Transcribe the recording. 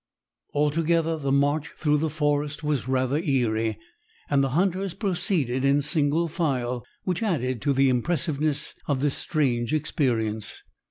Altogether the march through the forest was rather eerie, and the hunters proceeded in single file, which added to the impressiveness of the strange experience.